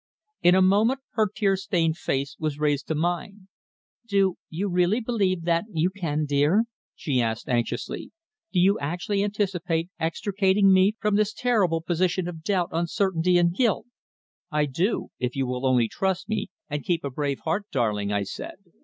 In a moment her tear stained face was raised to mine. "Do you really believe that you can, dear?" she asked anxiously. "Do you actually anticipate extricating me from this terrible position of doubt, uncertainty, and guilt?" "I do if you will only trust me, and keep a brave heart, darling," I said.